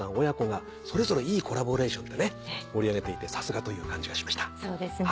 親子がそれぞれいいコラボレーションでね盛り上げていてさすがという感じがしました。